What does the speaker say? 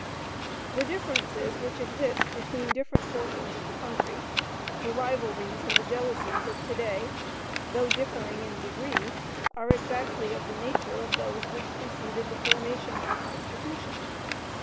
The differences which exist between different portions of the country, the rivalries and the jealousies of to day, though differing in degree, are exactly of the nature of those which preceded the formation of the Constitution.